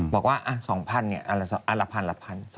บอกว่า๒๐๐๐เนี่ยอ่ะละ๑๐๐๐ละ๑๐๐๐